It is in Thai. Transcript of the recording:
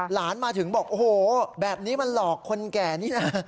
หลานมาถึงบอกโอ้โหแบบนี้มันหลอกคนแก่นี่นะ